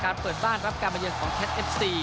เปิดบ้านรับการมาเยือนของแคทเอฟซี